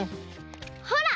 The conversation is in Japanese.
ほら！